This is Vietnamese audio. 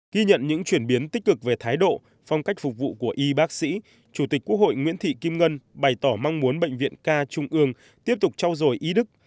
ghi nhận những chuyển biến tích cực về thái độ phong cách phục vụ của y bác sĩ chủ tịch quốc hội nguyễn thị kim ngân bày tỏ mong muốn bệnh viện ca trung ương tiếp tục trao dồi ý đức